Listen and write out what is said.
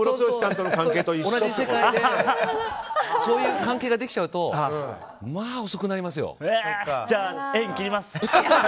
そういう関係ができちゃうとじゃあ縁切ります！